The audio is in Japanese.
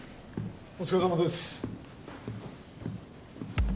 お疲れさまです